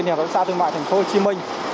liên hiệp với xã thương mại tp hcm